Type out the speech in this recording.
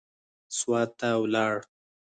سوات ته ولاړ.